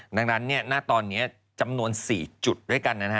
ดังนั้นณตอนนี้จำนวน๔จุดด้วยกันนะฮะ